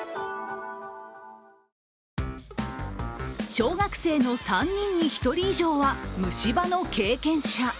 小学生の３人に１人以上は虫歯の経験者。